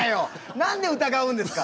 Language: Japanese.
なんで疑うんですか？